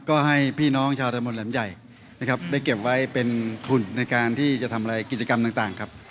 ก็ให้พี่น้องชาวตะมนต์แหลมใหญ่นะครับได้เก็บไว้เป็นทุนในการที่จะทำอะไรกิจกรรมต่างครับ